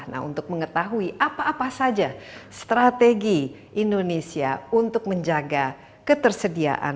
nah untuk mengetahui apa apa saja strategi indonesia untuk menjaga ketersediaan